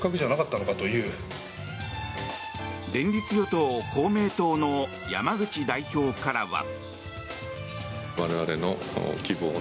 連立与党・公明党の山口代表からは。